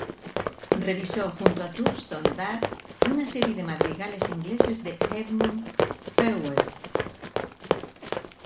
Revisó junto con Thurston Dart una serie de madrigales ingleses de Edmund Fellowes.